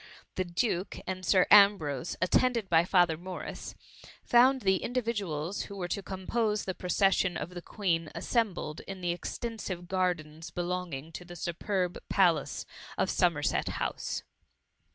The duke and Sir Ambrose, attend ed by Father Morris, found the individuals who were to compose the procession of the Queen assembled in the extensive gardens be longing to the superb palace of Somerset House.